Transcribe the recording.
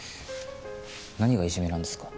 何がいじめなんですか？